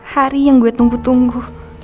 hari yang gue tunggu tunggu